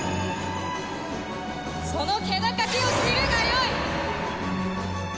その気高きを知るがよい！